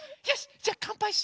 じゃあかんぱいしよう。